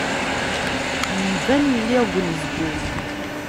Iban lliɣ deg unezgum.